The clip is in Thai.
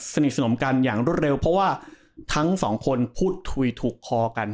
สนิทสนมกันอย่างรวดเร็วเพราะว่าทั้งสองคนพูดคุยถูกคอกัน